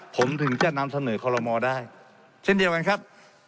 ผมถึงจะนำเสนอคอลโลมอลได้เช่นเดียวกันครับ